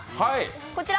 こちら。